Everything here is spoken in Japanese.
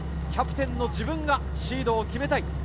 キャプテンの自分がシードを決めたい。